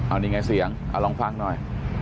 อ่านี่ไงเสียงลองฟังหน่อย